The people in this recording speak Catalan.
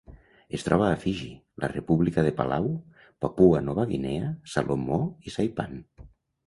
Es troba a Fiji, la República de Palau, Papua Nova Guinea, Salomó i Saipan.